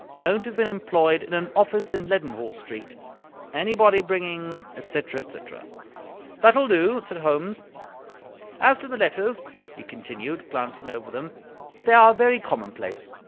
Known to have been employed in an office in Leadenhall Street. Anybody bringing,'' etc., etc. " That will do," said Holmes. " As to the letters," he continued, glancing over them, "they are very common place.